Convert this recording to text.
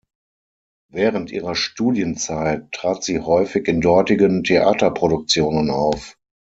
Während ihrer Studienzeit trat sie häufig in dortigen Theaterproduktionen auf.